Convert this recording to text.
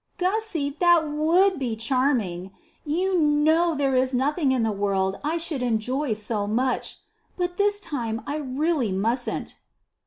"Gussy, that would be charming. You know there is nothing in the world I should enjoy so much. But this time I really mustn't."